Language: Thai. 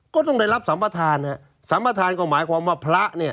ก็ต้องได้รับสัมภาษณ์สัมภาษณ์ก็หมายความว่าพระ